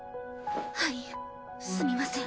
はいすみません。